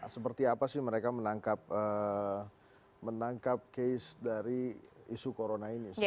seperti apa sih mereka menangkap case dari isu corona ini